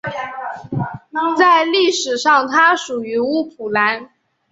在历史上它属于乌普兰。